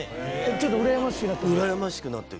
ちょっとうらやましくなって？